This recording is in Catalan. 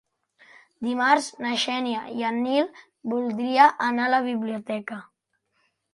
Dimarts na Xènia i en Nil voldria anar a la biblioteca.